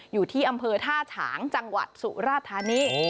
อยู่ที่อำเภอท่าฉางจังหวัดสุราธานี